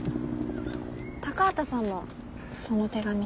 高畑さんもその手紙。